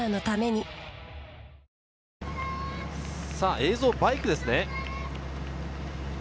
映像はバイクですね。